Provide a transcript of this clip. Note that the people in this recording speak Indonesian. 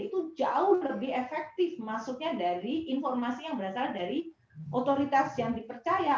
itu jauh lebih efektif maksudnya dari informasi yang berasal dari otoritas yang dipercaya